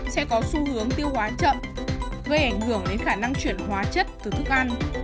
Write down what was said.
sẽ có xu hướng tiêu hóa chậm gây ảnh hưởng đến khả năng chuyển hóa chất từ thức ăn